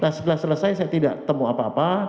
nah setelah selesai saya tidak temu apa apa